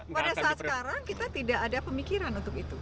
pada saat sekarang kita tidak ada pemikiran untuk itu